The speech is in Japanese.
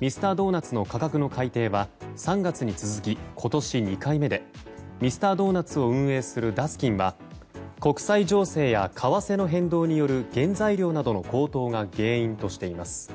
ミスタードーナツの価格の改定は３月に続き今年２回目でミスタードーナツを運営するダスキンは国際情勢や為替の変動による原材料などの高騰が原因としています。